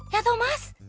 ya toh mas